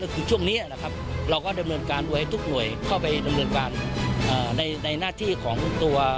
คือช่วงนี้นะครับเราก็ดำเนินการด้วยทุกหน่วยเข้าไปดำเนินการในหน้าที่ของตัว